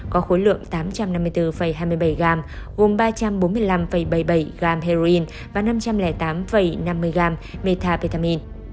có khối lượng tám trăm năm mươi bốn hai mươi bảy gram gồm ba trăm bốn mươi năm bảy mươi bảy gram heroin và năm trăm linh tám năm mươi gram metapetamin